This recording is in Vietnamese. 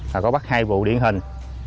và có bắt hai vụ điển hình